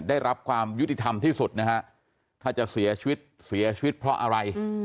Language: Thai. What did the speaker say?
ได้รับความยุติธรรมที่สุดนะฮะถ้าจะเสียชีวิตเสียชีวิตเพราะอะไร